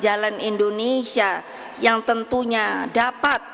jalan indonesia yang tentunya dapat